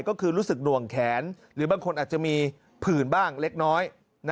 ก็คือรู้สึกหน่วงแขนหรือบางคนอาจจะมีผื่นบ้างเล็กน้อย